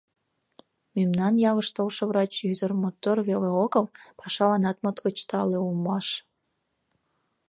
Мемнан ялыш толшо врач ӱдыр мотор веле огыл, пашаланат моткоч тале улмаш.